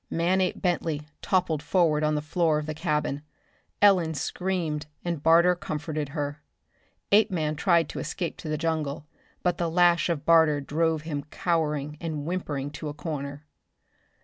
Manape Bentley toppled forward on the floor of the cabin. Ellen screamed and Barter comforted her. Apeman tried to escape to the jungle, but the lash of Barter drove him cowering and whimpering to a corner.